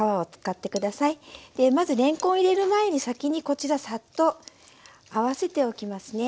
まずれんこんを入れる前に先にこちらサッと合わせておきますね。